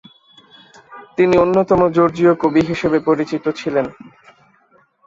তিনি অন্যতম জর্জীয় কবি হিসেবে পরিচিত ছিলেন।